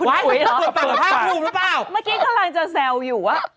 เมื่อกี้กำลังจะแซวอยู่ว่า